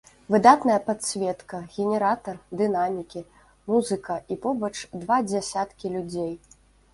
Выдатная падсветка, генератар, дынамікі, музыка і побач два дзясяткі людзей.